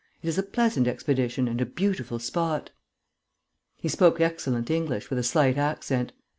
It is a pleasant expedition, and a beautiful spot." He spoke excellent English with a slight accent.